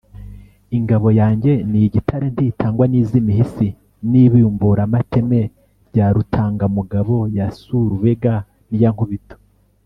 Ingabo yanjye ni igitare ntitangwa n’iz’imihisi n’ibimburamateme rya Rutangamugabo ya Surubega n’iya Nkubito;